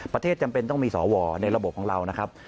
จำเป็นต้องมีสวในระบบของเรานะครับ